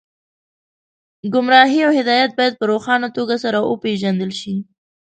ګمراهي او هدایت باید په روښانه توګه سره وپېژندل شي